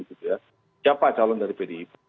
gitu ya siapa calon dari pdip